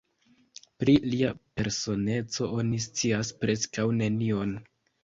Pri lia personeco oni scias preskaŭ nenion.